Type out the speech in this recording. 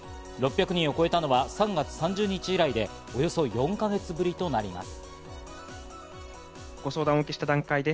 ６００人を超えたのは３月３０日以来で、およそ４か月ぶりとなります。